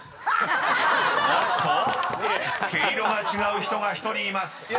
［おっと⁉毛色が違う人が１人います］